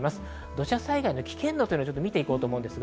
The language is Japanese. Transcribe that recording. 土砂災害の危険度を見ていきます。